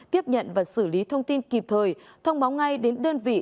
tiếp nhận và xử lý thông tin kịp thời thông báo ngay đến đơn vị